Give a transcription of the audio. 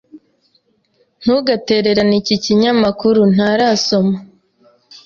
Ntugatererane iki kinyamakuru. Ntarasoma.